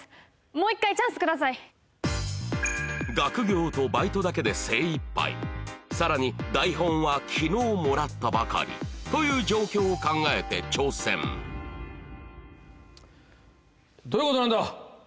もう一回チャンス下さい学業とバイトだけで精いっぱいさらに台本は昨日もらったばかりという状況を考えて挑戦どういうことなんだ！